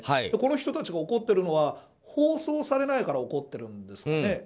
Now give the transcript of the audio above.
この人たちが怒っているのは放送されないから怒ってるんですかね。